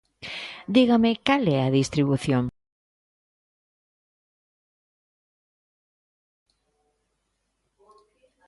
Dígame cal é a distribución.